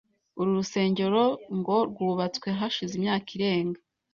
Uru rusengero ngo rwubatswe hashize imyaka irenga .